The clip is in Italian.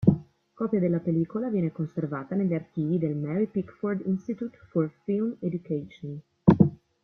Copia della pellicola viene conservata negli archivi del Mary Pickford Institute for Film Education.